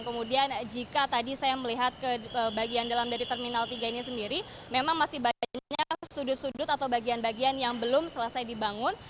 kemudian jika tadi saya melihat ke bagian dalam dari terminal tiga ini sendiri memang masih banyak sudut sudut atau bagian bagian yang belum selesai dibangun